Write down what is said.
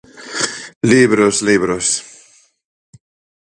Libros, libros.